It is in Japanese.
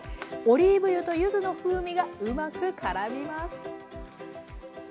オリーブ油と柚子の風味がうまくからみます。